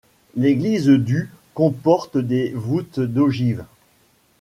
L’église du comporte des voûtes d’ogives.